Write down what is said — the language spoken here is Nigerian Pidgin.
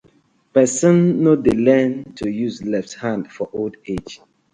Person no dey learn to use left hand for old age: